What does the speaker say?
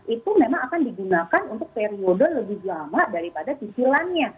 itu memang akan digunakan untuk periode lebih lama daripada cicilannya